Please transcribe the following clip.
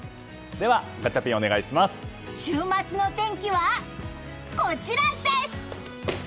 週末の天気は、こちらです！